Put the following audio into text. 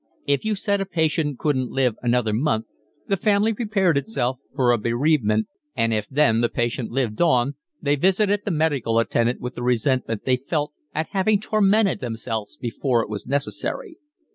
If you said a patient couldn't live another month the family prepared itself for a bereavement, and if then the patient lived on they visited the medical attendant with the resentment they felt at having tormented themselves before it was necessary.